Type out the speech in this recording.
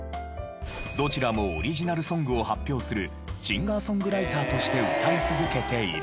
どちらもオリジナルソングを発表するシンガーソングライターとして歌い続けている。